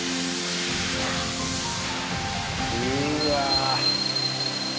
うわ。